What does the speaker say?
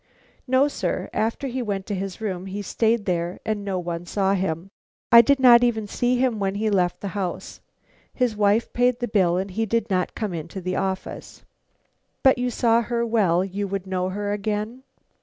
"No, sir. After he went to his room he stayed there, and no one saw him. I did not even see him when he left the house. His wife paid the bill and he did not come into the office." "But you saw her well; you would know her again?"